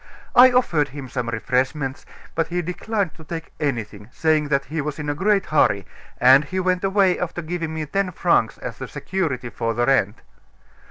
I offered him some refreshments; but he declined to take anything, saying that he was in a great hurry; and he went away after giving me ten francs as security for the rent."